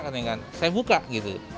saya buka gitu